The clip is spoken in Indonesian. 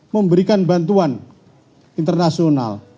memberikan bantuan internasional